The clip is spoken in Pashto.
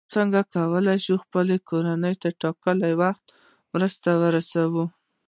څنگه کولای شو چې خپل کارونه په ټاکلي وخت سرته ورسوو؟